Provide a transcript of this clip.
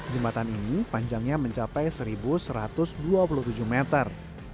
jembatan ini panjangnya mencapai satu satu ratus dua puluh tujuh meter